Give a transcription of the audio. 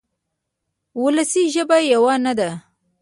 وولسي ژبه یوه نه ده.